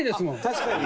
確かに。